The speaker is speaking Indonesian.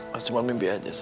mas kenapa mas